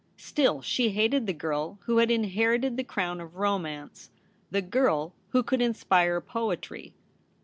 Still she hated the girl w^ho had inherited the crown of romance — the girl who could inspire poetry.